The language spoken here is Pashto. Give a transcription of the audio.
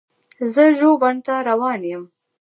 زه ژوبڼ ته روان یم.